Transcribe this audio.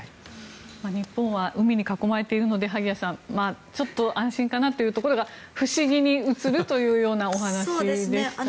日本は海に囲まれているのでちょっと安心かなというところが不思議に映るというようなお話でした。